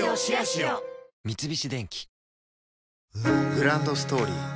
グランドストーリー